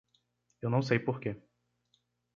Eu não sei porque.